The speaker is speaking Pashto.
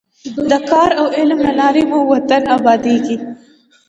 د کار او علم له لارې مو وطن ابادېږي.